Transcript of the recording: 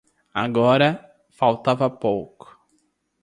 Agora, faltava pouco.